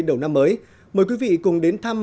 đầu năm mới mời quý vị cùng đến thăm